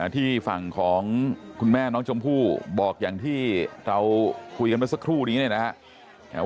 ที่ฝั่งของคุณแม่น้องชมพู่บอกอย่างที่เราคุยกันเมื่อสักครู่นี้เนี่ยนะครับ